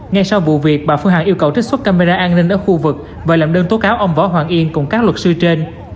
ngay sau vụ việc bà phương hằng yêu cầu trích xuất camera an ninh ở khu vực và làm đơn tố cáo ông võ hoàng yên cùng các luật sư trên